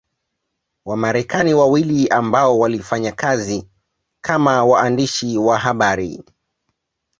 Wamarekani wawili ambao walifanya kazi kama waandishi wa habari